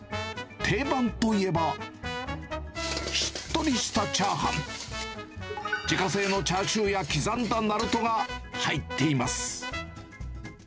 定番といえば、しっとりしたチャーハン、自家製のチャーシューや刻んだなるとが入っています。